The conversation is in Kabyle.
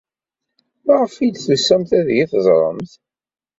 Maɣef ay d-tusamt ad iyi-teẓremt?